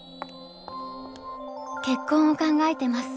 結婚を考えてます。